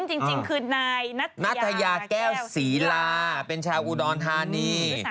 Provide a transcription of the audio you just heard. จริงคือนายนัทยาแก้วศรีลาเป็นชาวอุดรธานี